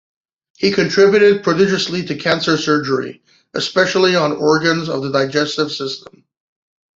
He contributed prodigiously to cancer surgery, especially on organs of the digestive system.